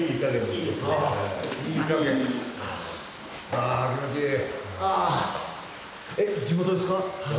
あ気持ちいい。